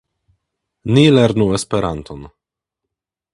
Ni lernu Esperanton.